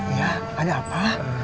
iya ada apa